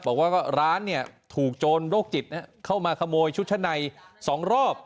บอกว่าร้านถูกโจรโรคจิตเข้ามาขโมยชุดชั้นใน๒รอบ